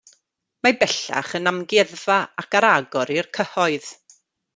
Mae bellach yn amgueddfa ac ar agor i'r cyhoedd.